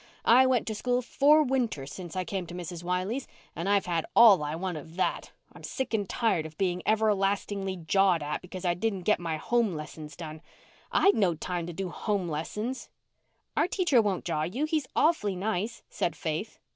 "I went to school four winters since I come to Mrs. Wiley's and I've had all I want of that. I'm sick and tired of being everlastingly jawed at 'cause I didn't get my home lessons done. I'd no time to do home lessons." "Our teacher won't jaw you. He is awfully nice," said Faith.